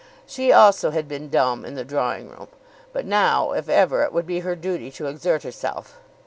She also had been dumb in the drawing room; but now, if ever, it would be her duty to exert herself.